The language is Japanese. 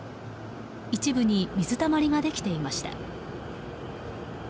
一部に水たまりができていました。